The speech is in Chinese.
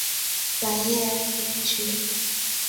软叶茯苓菊